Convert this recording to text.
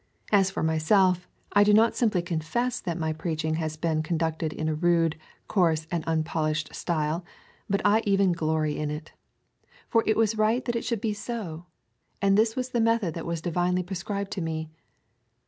As for myself, I do not simply confess that my preaching has been conducted in a rude, coarse, and unpolished style, but I even glory in it. For it was right that it should be so, and this was the method that was divinely prescribed to me."